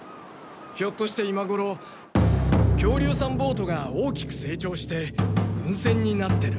ひょっとして今ごろ恐竜さんボートが大きく成長して軍船になってる。